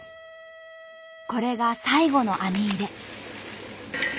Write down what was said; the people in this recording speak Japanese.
これが最後の網入れ。